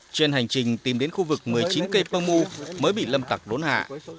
trên hành trình tìm đến khu vực một mươi chín cây pơ mu mới bị lâm tặc đốn hạ